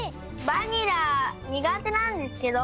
バニラにがてなんですけど。